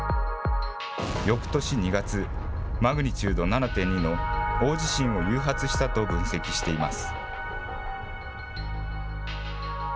よくとし２月、マグニチュード７．２の大地震を誘発したと分析しています。